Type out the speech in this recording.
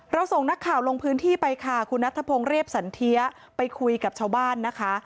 ส่งนักข่าวลงพื้นที่ไปค่ะคุณนัทพงศ์เรียบสันเทียไปคุยกับชาวบ้านนะคะ